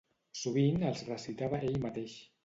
Sovint els recitava ell mateix.